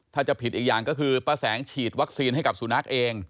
ถ้าจะผิดอีกอย่างก็คือป้าแสงฉีดวัคซีนให้กับสุนัขเอง